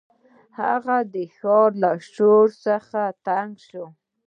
هغه د ښار له شور څخه تنګ شو.